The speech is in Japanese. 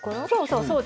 そうそう。